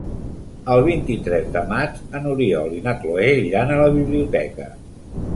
El vint-i-tres de maig n'Oriol i na Cloè iran a la biblioteca.